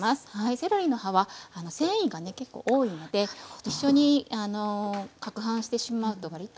セロリの葉は繊維がね結構多いので一緒にかくはんしてしまうとわりと残ってしまうんですね。